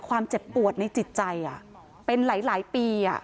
ความเจ็บปวดในจิตใจเป็นหลายปี